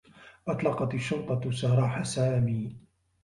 أطلقت الشّرطة سراح سامي.